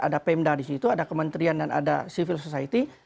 ada pemda disitu ada kementerian dan ada civil society